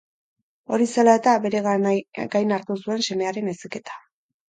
Hori zela-eta, bere gain hartu zuen semearen heziketa.